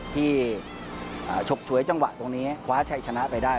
ฉกฉวยจังหวะตรงนี้คว้าชัยชนะไปได้